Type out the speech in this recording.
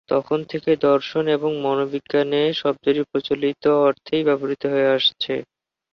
তখন থেকে দর্শন এবং মনোবিজ্ঞানে শব্দটি প্রচলিত অর্থেই ব্যবহৃত হয়ে আসছে।